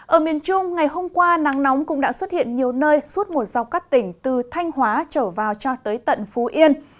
ở miền trung ngày hôm qua nắng nóng cũng đã xuất hiện nhiều nơi suốt một dọc các tỉnh từ thanh hóa trở vào cho tới tận phú yên